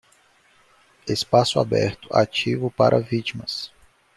Espaço aberto ativo para vítimas